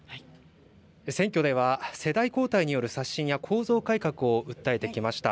選挙では、世代交代による刷新や、構造改革を訴えてきました。